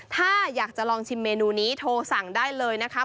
ถ้าอยากจะลองชิมเมนูนี้โทรสั่งได้เลยนะคะ